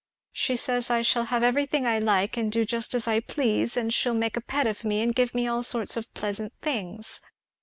She says I shall have everything I like and do just as I please, and she will make a pet of me and give me all sorts of pleasant things.